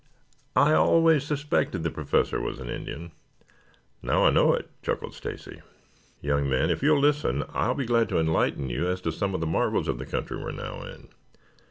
"I always suspected the Professor was an Indian. Now I know it," chuckled Stacy. "Young men, if you will listen I shall be glad to enlighten you as to some of the marvels of the country we are now in.